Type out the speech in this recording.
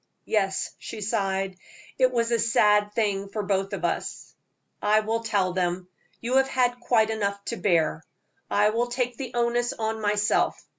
"Yes," she sighed, "it was a sad thing for both of us." "I will tell them. You have had quite enough to bear. I will take the onus on myself.